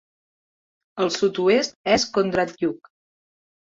Al sud-oest és Kondratyuk.